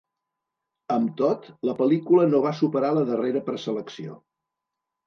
Amb tot, la pel·lícula no va superar la darrera preselecció.